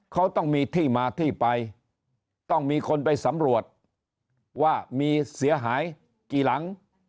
เขาต้องมีที่มาที่ไปต้องมีคนไปสำรวจว่ามีเสียหายกี่หลัง